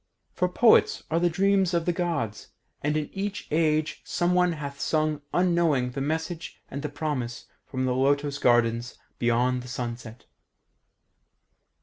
For poets are the dreams of the Gods, and in each age someone hath sung unknowing the message and the promise from the lotos gardens beyond the sunset."